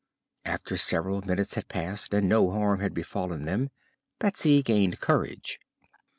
After several minutes had passed and no harm had befallen them, Betsy gained courage.